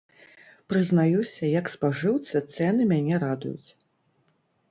Прызнаюся, як спажыўца цэны мяне радуюць.